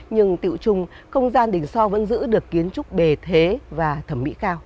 nhưng tiệu trùng công gian đình so vẫn giữ được kiến trúc bề thế và thẩm mỹ cao